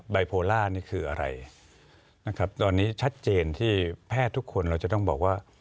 บายโพล่านี่คืออะไรนะครับตอนนี้ชัดเจนที่แพทย์ทุกคนเราจะต้องบอกว่า